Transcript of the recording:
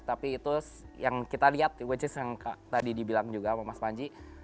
tapi itu yang kita lihat which is yang tadi dibilang juga sama mas panji